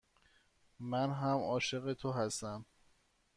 من هم عاشق تو هستم.